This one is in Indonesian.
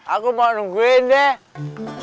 aku mau nungguin deh